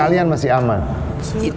sebenarnya kilos mankind